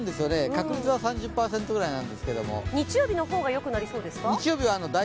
確率は３０％ぐらいなんですけれども日曜日の方が良くなりそうですか？